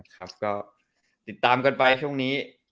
ครับก็ติดตามกันไปช่วงนี้